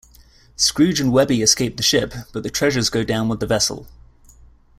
Scrooge and Webby escape the ship, but the treasures go down with the vessel.